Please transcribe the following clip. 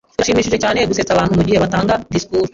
Birashimishije cyane gusetsa abantu mugihe batanga disikuru.